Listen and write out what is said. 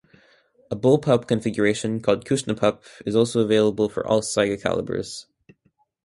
A bullpup configuration called Kushnapup is also available for all Saiga calibers.